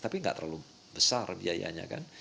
tapi tidak terlalu besar biayanya